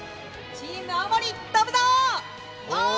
チーム青森、飛ぶぞー！